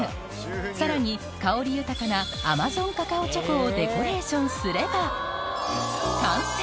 さらに香り豊かなアマゾンカカオチョコをデコレーションすれば完成